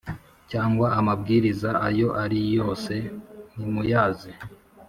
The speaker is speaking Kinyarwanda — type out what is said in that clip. cyangwa amabwiriza ayo ari yose ntimuyazi